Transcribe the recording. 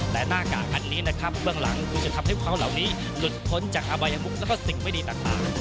แต่หน้ากากอันนี้นะครับเบื้องหลังคือจะทำให้พวกเขาเหล่านี้หลุดพ้นจากอบายมุกแล้วก็สิ่งไม่ดีต่าง